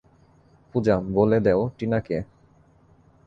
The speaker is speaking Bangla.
পূজা, বলে দেও টিনা কে?